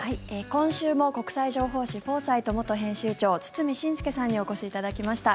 今週も国際情報誌「フォーサイト」元編集長堤伸輔さんにお越しいただきました。